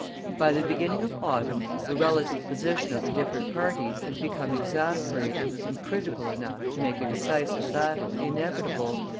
By the beginning of autumn the relative position of the different parties had become exasperated and critical enough to make a decisive battle inevitable.